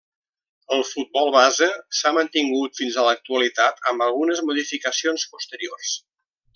El futbol base s'ha mantingut fins a l'actualitat amb algunes modificacions posteriors.